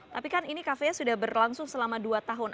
tapi kan ini cafenya sudah berlangsung selama dua tahun